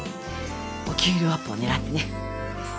お給料アップをねらってね。